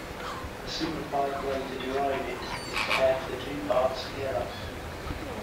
The simplified way to derive it is to add the two parts together.